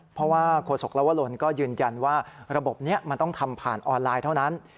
เพราะว่าโฆษกลวลก็ยืนยันว่าระบบนี้มันต้องทำผ่านออนไลน์เท่านั้น